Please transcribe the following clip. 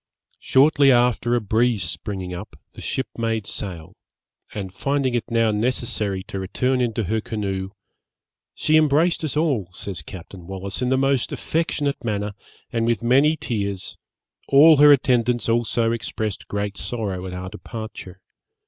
Shortly after a breeze springing up, the ship made sail; and finding it now necessary to return into her canoe, 'she embraced us all,' says Captain Wallis, 'in the most affectionate manner, and with many tears; all her attendants also expressed great sorrow at our departure.